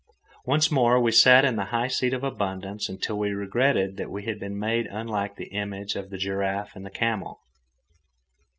Once more we sat in the high seat of abundance until we regretted that we had been made unlike the image of the giraffe and the camel.